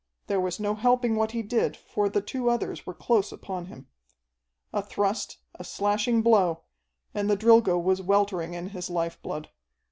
There was no helping what he did for the two others were close upon him. A thrust, a slashing blow, and the Drilgo was weltering in his life blood.